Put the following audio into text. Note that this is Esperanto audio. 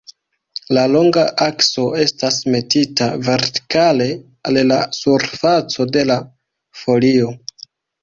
La longa akso estas metita vertikale al la surfaco de la folio.